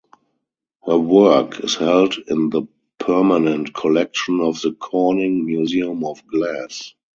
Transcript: Her work is held in the permanent collection of the Corning Museum of Glass.